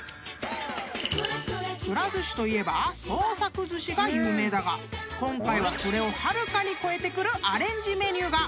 ［くら寿司といえば創作ずしが有名だが今回はそれをはるかに超えてくるアレンジメニューが］